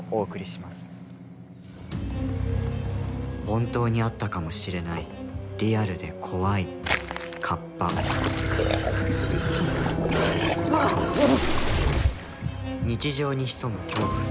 本当にあったかもしれないリアルで怖い日常に潜む恐怖。